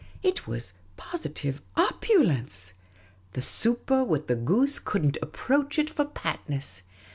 It was positive opulence. The super with the goose could n't approach it for patness.